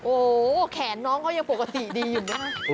โอ้โหแขนน้องเขายังปกติดีอยู่นะ